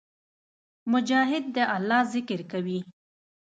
مجاهد د الله ذکر کوي.